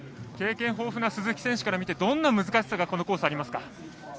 経験豊富な鈴木選手から見てどんな難しさがこのコースにありますか？